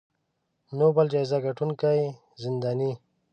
نوبل جایزې ګټونکې زنداني